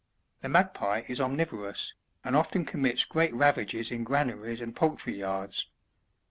The Magpie is omnivorous, and often commits great ravages in granaries and poultry yards.